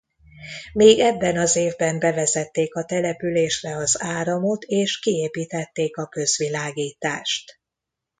Még ebben az évben bevezették a településre az áramot és kiépítették a közvilágítást.